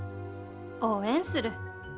応援する。